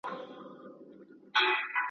زه پخپلو وزرونو د تیارې پلو څیرمه `